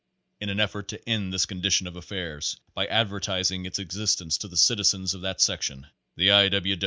In an effort to end this condition of affairs by ad vertising its existence to the citizens of that section, the I. W.